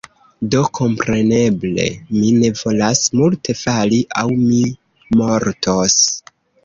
do, kompreneble, mi ne volas multe fali, aŭ mi mortos.